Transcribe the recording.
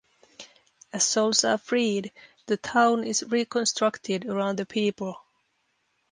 As souls are freed, the town is reconstructed around the people.